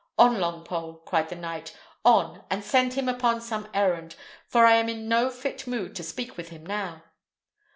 "On, Longpole!" cried the knight; "on, and send him upon some errand, for I am in no fit mood to speak with him now."